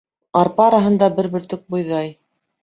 Арпа араһында бер бөртөк бойҙай.